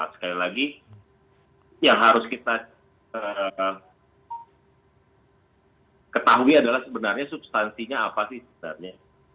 sekali lagi yang harus kita ketahui adalah sebenarnya substansinya apa sih sebenarnya